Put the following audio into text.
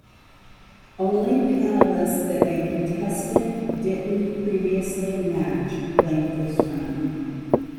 Only panelists that a contestant didn't previously match played this round.